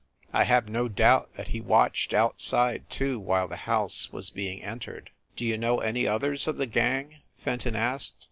I have no doubt that he watched outside, too, while the house was being entered. " "Do you know any others of the gang?" Fenton asked.